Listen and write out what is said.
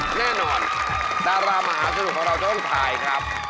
แน่นอนดารามหาสนุกของเราจะต้องถ่ายครับ